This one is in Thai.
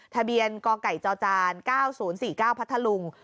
ทะเบียนกไก่จจ๙๐๔๙พัทธลุง